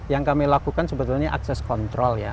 yang kami lakukan sebetulnya akses kontrol ya